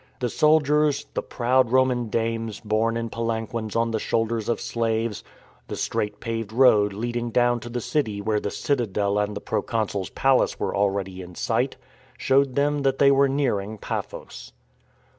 The soldiers, the proud Roman dames borne in palanquins on the shoulders of slaves, the straight paved road leading down to the city where the citadel and the proconsul's palace were THE ISLAND ADVENTURE 123 already in sight, showed them that they were nearing Paphos.